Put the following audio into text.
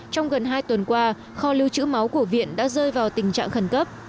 trong gần hai tuần qua kho lưu trữ máu của viện đã rơi vào tình trạng khẩn cấp